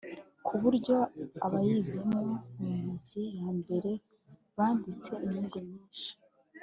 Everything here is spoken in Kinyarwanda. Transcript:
kuburyo abayizemo mumizo ya mbere banditse inyigo nyinshi